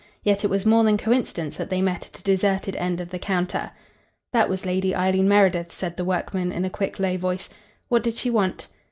Yet it was more than coincidence that they met at a deserted end of the counter. "That was Lady Eileen Meredith," said the workman, in a quick, low voice. "What did she want?"